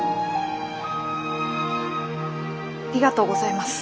ありがとうございます。